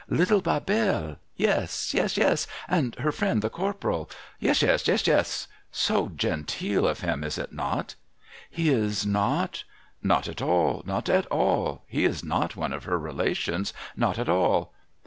' Little Bebelle ? Yes, yes, yes ! And her friend the Corporal ? Yes, yes, yes, yes ! So genteel of him, — is it not ?'* He is not ?'* Not at all ; not at all ! He is not one of her relations. Not at all